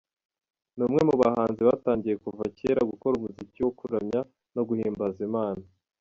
Ni umwe mu bahanzi batangiye kuva kera gukora umuziki wo kuramya no guhimbaza Imana.